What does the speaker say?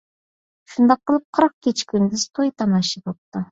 شۇنداق قىلىپ، قىرىق كېچە-كۈندۈز توي-تاماشا بوپتۇ.